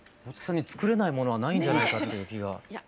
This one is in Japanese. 大月さんに作れないものはないんじゃないかという気が。